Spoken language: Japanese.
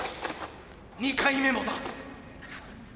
２回目もだ。